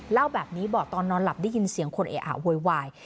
เล่าแบบนี้บอกตอนนอนหลับได้ยินเสียงคนเออะโวยวาย